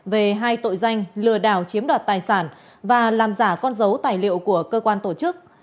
về hai tội danh lừa đảo chiếm đoạt tài sản và làm giả con dấu tài liệu của cơ quan tổ chức